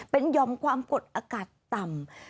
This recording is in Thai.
เป็นยอมความกดอากาศต่ำ